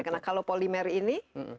karena kalau polimer ini